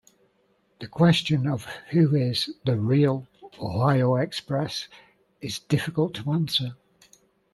The question of who is the "real" Ohio Express is difficult to answer.